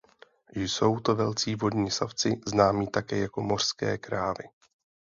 Jsou to velcí vodní savci známí také jako mořské krávy.